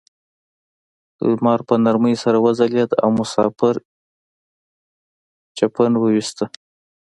لمر په نرمۍ سره وځلید او مسافر چپن وویسته.